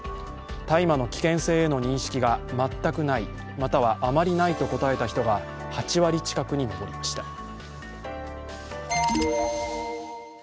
大麻の危険性への認識が全くない、またはあまりないと答えた人が８割近くに上りました。